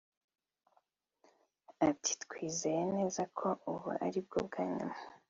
Ati” Twizeye neza ko ubu ari bwo bwa nyuma